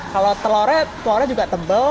kalau telurnya telurnya juga tebal